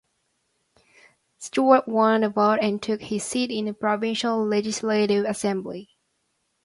Stewart won the vote and took his seat in the provincial legislative assembly.